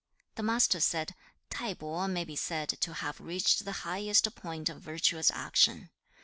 The Master said, 'T'ai po may be said to have reached the highest point of virtuous action.